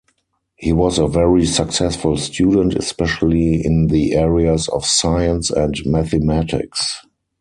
He was a very successful student, especially in the areas of science and mathematics.